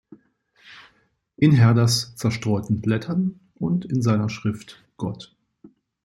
In Herders "Zerstreuten Blättern" und in seiner Schrift "Gott.